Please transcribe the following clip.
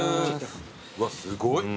うわすごい。